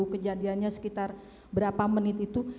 kejadiannya sekitar berapa menit itu